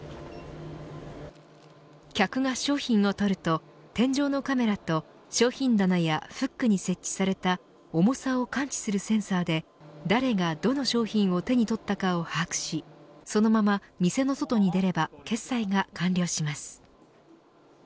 客が商品を取ると天井のカメラと商品棚やフックに設置された重さを感知するセンサーで誰がどの商品を手に取ったかを把握しそのまま店の外に出れば決済が完了します。